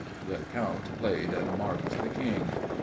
"_ The Count played and marked the King.